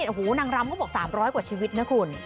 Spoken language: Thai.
โอ้โหนางรำก็บอก๓๐๐กว่าชีวิตนะคุณ